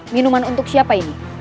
minuman untuk siapa ini